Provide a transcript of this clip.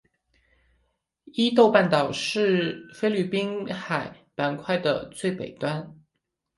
伊豆半岛是菲律宾海板块的最北端。